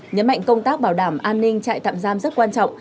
nhấn mạnh công tác bảo đảm an ninh trại tạm giam rất quan trọng